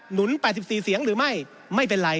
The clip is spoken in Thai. นุน๘๔เสียงหรือไม่ไม่เป็นไร